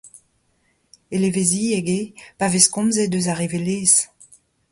Eleveziek eo pa vez komzet eus ar revelezh.